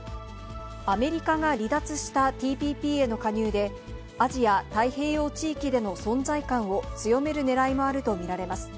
アメリカが離脱したＴＰＰへの加入で、アジア太平洋地域での存在感を強めるねらいもあると見られます。